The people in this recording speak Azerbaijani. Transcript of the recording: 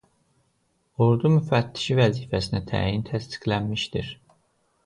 Ordu Müfəttişi vəzifəsinə təyini təsdiqlənmişdir.